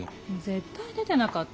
絶対出てなかった。